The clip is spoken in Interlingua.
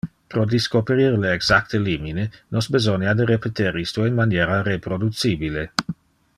Pro discoperir le exacte limine, nos besonia de repeter isto in maniera reproducibile.